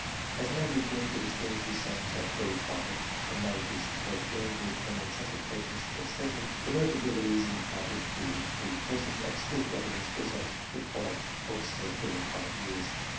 As men begin to distinguish themselves at 35, and may be supposed willing to attend on such occasions till 70, the notabilities invited to be present at school gatherings represent the product of, say, 35 years.